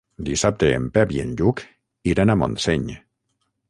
Dissabte en Pep i en Lluc iran a Montseny.